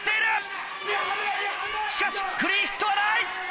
しかしクリーンヒットはない！